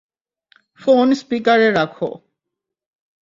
Phone স্পিকারে রাখো।